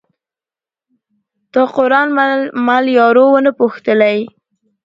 تا قران مل یارو ونه پوښتلئ